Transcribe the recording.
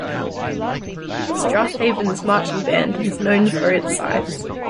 Strath Haven's marching band is known for its size.